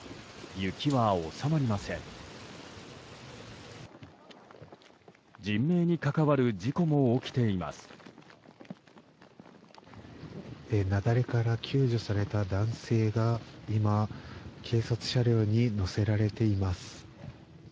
雪崩から救助された男性が今、警察車両に乗せられています。